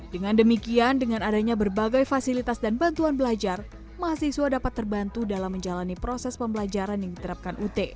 dengan demikian dengan adanya berbagai fasilitas dan bantuan belajar mahasiswa dapat terbantu dalam menjalani proses pembelajaran yang diterapkan ut